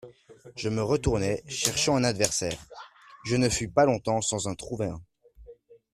Je me retournai, cherchant un adversaire ; je ne fus pas longtemps sans en trouver un.